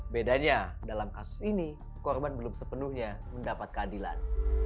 bedanya dalam kasus ini korban belum sepenuhnya mendapat keadilan